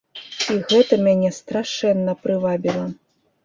І гэта мяне страшэнна прывабіла.